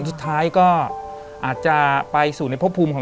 แต่ขอให้เรียนจบปริญญาตรีก่อน